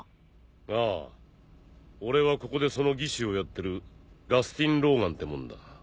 ああ俺はここでその技師をやってるガスティンローガンってもんだ。